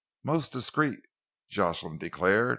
"Most discreet," Jocelyn declared.